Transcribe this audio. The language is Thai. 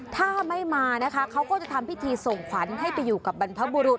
ถ้าไม่มานะคะเขาก็จะทำพิธีส่งขวัญให้ไปอยู่กับบรรพบุรุษ